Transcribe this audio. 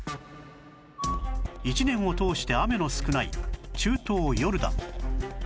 １年を通して雨の少ない中東ヨルダン